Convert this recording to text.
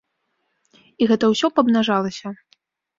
І гэта ўсё памнажалася.